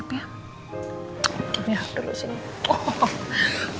oke biar aku dulu disini